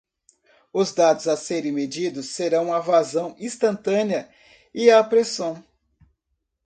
Os dados a serem medidos serão a vazão instantânea e a pressão.